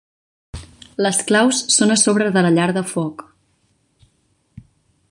Les claus són a sobre de la llar de foc.